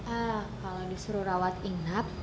ah kalau disuruh rawat inap